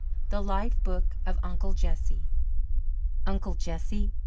The Life Book of Uncle Jesse Uncle Jesse!